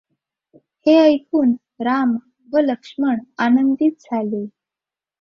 हे ऐकून राम व लक्ष्मण आनंदित झाले.